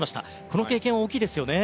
この経験は大きいですよね。